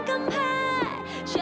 agnes mo menurutnya